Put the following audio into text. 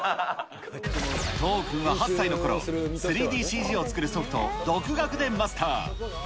都央君は８歳のころ、３ＤＣＧを作るソフトを独学でマスター。